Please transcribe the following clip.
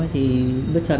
thì bất chần